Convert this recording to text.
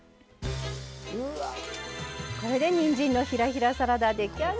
これでにんじんのひらひらサラダ出来上がりです。